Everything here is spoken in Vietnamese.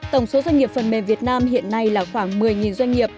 tổng số doanh nghiệp phần mềm việt nam hiện nay là khoảng một mươi doanh nghiệp